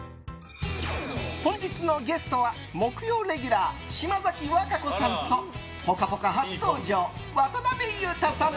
本日のゲストは木曜レギュラー島崎和歌子さんと「ぽかぽか」初登場渡辺裕太さん。